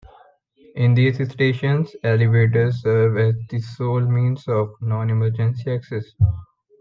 In these stations, elevators serve as the sole means of non-emergency access.